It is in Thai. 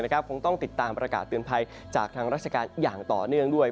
คงต้องติดตามประกาศเตือนภัยจากทางราชการอย่างต่อเนื่องด้วย